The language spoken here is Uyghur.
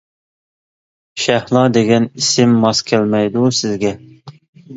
-شەھلا دېگەن ئىسىم ماس كەلمەيدۇ سىزگە!